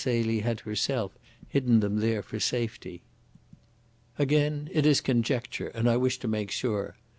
Celie had herself hidden them there for safety. Again it is conjecture, and I wish to make sure.